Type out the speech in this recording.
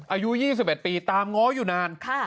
อายุ๒๑ปีตามง้ออยู่นาน